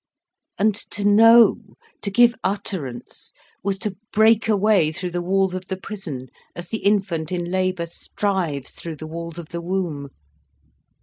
And to know, to give utterance, was to break a way through the walls of the prison as the infant in labour strives through the walls of the womb.